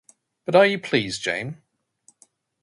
But are you pleased, Jane?